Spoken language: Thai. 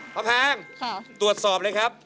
แพงตรวจสอบเลยครับ